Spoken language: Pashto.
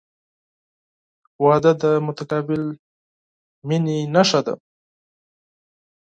• واده د متقابل محبت نښه ده.